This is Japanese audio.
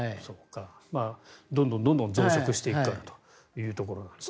どんどん増殖していくからということですね。